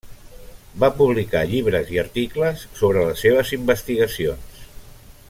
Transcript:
Va publicar llibres i articles sobre les seves investigacions.